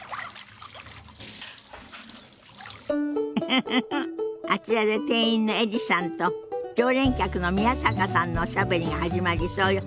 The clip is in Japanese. ウフフフあちらで店員のエリさんと常連客の宮坂さんのおしゃべりが始まりそうよ。